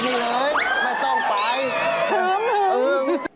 อึ้มนึกหนึ่งเออ